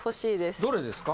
どれですか？